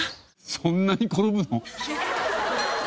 そんなに転ぶの？